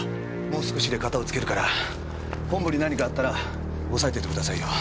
もう少しで片を付けるから本部に何かあったら抑えといてくださいよ。